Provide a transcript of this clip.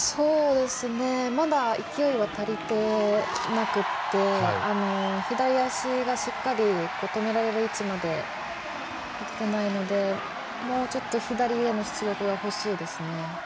まだ勢いは足りてなくて左足がしっかり止められる位置までいけてないのでもうちょっと左への出力が欲しいですね。